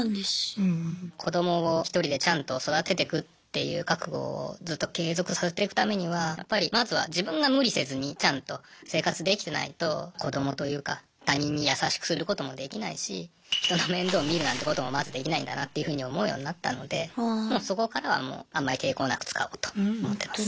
子どもをひとりでちゃんと育ててくっていう覚悟をずっと継続させてくためにはやっぱりまずは自分が無理せずにちゃんと生活できてないと子どもというか他人に優しくすることもできないし人の面倒見るなんてこともまずできないんだなっていうふうに思うようになったのでそこからはもうあんまり抵抗なく使おうと思ってます。